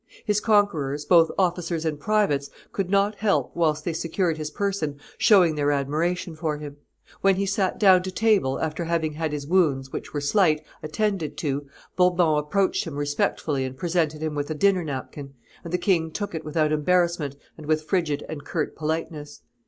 His conquerors, both officers and privates, could not help, whilst they secured his person, showing their admiration for him. When he sat down to table, after having had his wounds, which were slight, attended to, Bourbon approached him respectfully and presented him with a dinner napkin; and the king took it without embarrassment and with frigid and curt politeness.